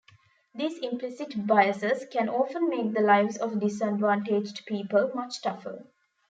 These implicit biases can often make the lives of disadvantaged people much tougher.